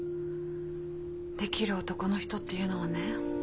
できる男の人っていうのはね